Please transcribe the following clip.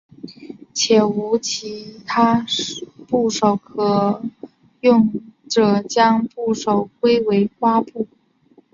且无其他部首可用者将部首归为瓜部。